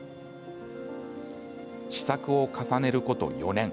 試作を重ねること４年。